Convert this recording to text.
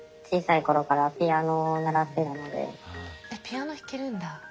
そのピアノ弾けるんだ。